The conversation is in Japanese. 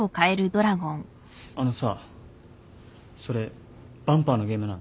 あのさそれバンパーのゲームなの？